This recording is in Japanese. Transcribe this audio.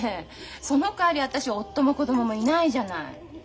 そのかわり私は夫も子供もいないじゃない。